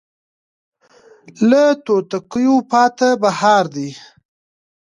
له توتکیو پاته بهار دی